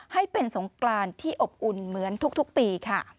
ให้เป็นสงกรานที่อบอุ่นเหมือนทุกปีค่ะ